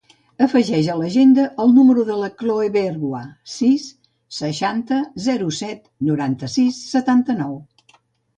Afegeix a l'agenda el número de la Khloe Bergua: sis, seixanta, zero, set, noranta-sis, setanta-nou.